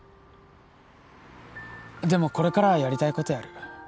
でもこれからはやりたことやる